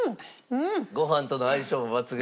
ご飯との相性も抜群。